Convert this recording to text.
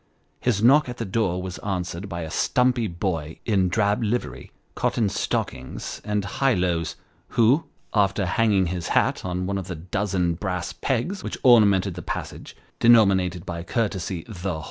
His knock at the door was answered by a stumpy boy, in drab livery, cotton stockings and high lows, who, after hanging his hat on one of the dozen brass pegs which ornamented the passage, denominated by courtesy " The Mr. Budded s Guests.